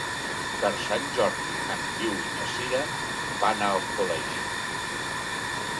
Per Sant Jordi en Guiu i na Sira van a Alcoleja.